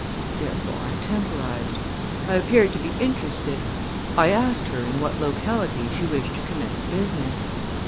Therefore I temporized. I appeared to be interested. I asked her in what locality she wished to commence business.